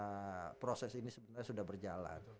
bagaimana proses ini sebenarnya sudah berjalan